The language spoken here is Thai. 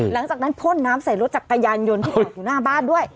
พ่นน้ำใส่รถจักรยานยนต์ที่จอดอยู่หน้าบ้านด้วย